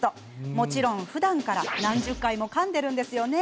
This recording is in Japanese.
もちろん、ふだんから何十回もかんでいるんですよね？